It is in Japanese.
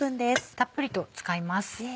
たっぷりと使います。